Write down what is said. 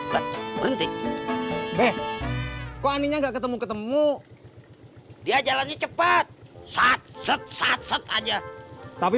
berhenti deh kuaninya gak ketemu ketemu dia jalannya cepat saat saat saat aja tapi